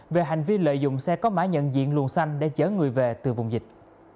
về hành vi lợi dụng xe có mã nhận diện luồn xanh để chở người về từ vùng dịch